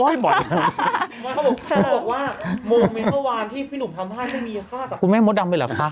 เขาบอกแชร์ดาร่ะว่า